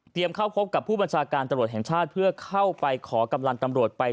เข้าพบกับผู้บัญชาการตำรวจแห่งชาติเพื่อเข้าไปขอกำลังตำรวจไป